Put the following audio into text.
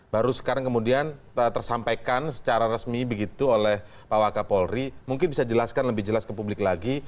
baru sekarang kemudian tersampaikan secara resmi begitu oleh pak wakapolri mungkin bisa dijelaskan lebih jelas ke publik lagi